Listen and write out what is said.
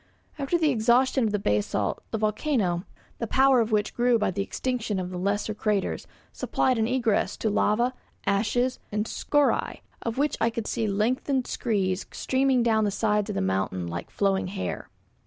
After the exhaustion of the basalt, the volcano, the power of which grew by the extinction of the lesser craters, supplied an egress to lava, ashes, and scoriae, of which I could see lengthened screes streaming down the sides of the mountain like flowing hair.